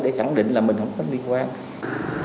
để chẳng định là mình không có liên quan